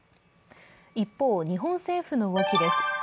一方、日本政府の動きです。